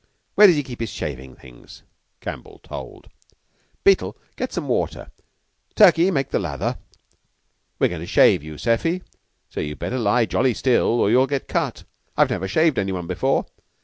Where does he keep his shaving things? [Campbell told.] Beetle, get some water. Turkey, make the lather. We're goin' to shave you, Seffy, so you'd better lie jolly still, or you'll get cut. I've never shaved any one before."